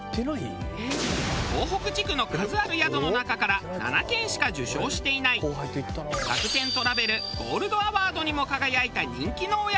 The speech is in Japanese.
東北地区の数ある宿の中から７軒しか受賞していない楽天トラベルゴールドアワードにも輝いた人気のお宿。